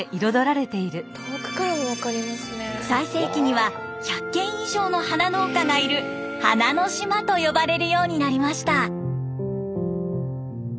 最盛期には１００軒以上の花農家がいる「花の島」と呼ばれるようになりました。